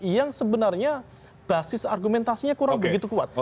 yang sebenarnya basis argumentasinya kurang begitu kuat